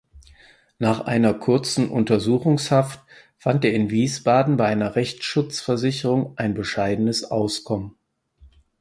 Nach einer kurzen Untersuchungshaft fand er in Wiesbaden bei einer Rechtsschutzversicherung ein bescheidenes Auskommen.